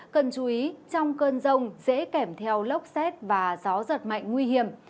cần chú ý trong cơn rông dễ kèm theo lốc xét và gió giật mạnh nguy hiểm